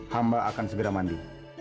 hamba akan segera mandi